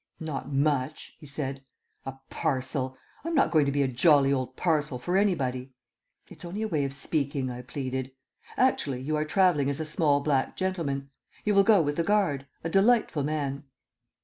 "Not much," he said. "A parcel! I'm not going to be a jolly old parcel for anybody." "It's only a way of speaking," I pleaded. "Actually you are travelling as a small black gentleman. You will go with the guard a delightful man."